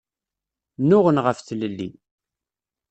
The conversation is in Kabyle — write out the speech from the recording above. Nuɣen ɣef tlelli.